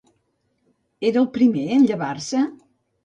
Era el primer en llevar-se?